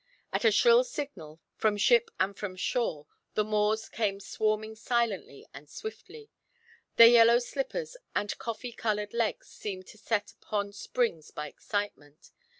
At a shrill signal, from ship and from shore, the Moors came swarming silently and swiftly. Their yellow slippers and coffee coloured legs seemed set upon springs by excitement.